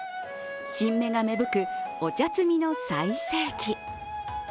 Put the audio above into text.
新芽が芽吹く、お茶つみの最盛期。